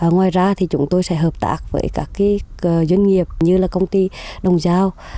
ngoài ra chúng tôi sẽ hợp tác với các doanh nghiệp như công ty đồng giao